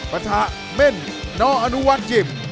ปรรถะเม่นน้ออนุวัติยิม